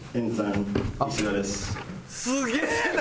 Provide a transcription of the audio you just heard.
すげえな！